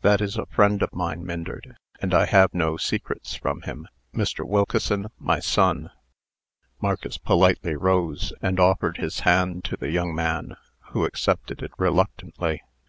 "That is a friend of mine, Myndert, and I have no secrets from him. Mr. Wilkeson my son." Marcus politely rose, and offered his hand to the young man, who accepted it reluctantly.